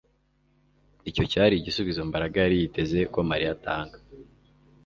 Icyo cyari igisubizo Mbaraga yari yiteze ko Mariya atanga